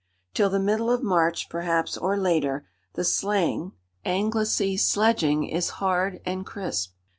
Till the middle of March, perhaps, or later, the sleighing (Anglicè sledging) is hard and crisp.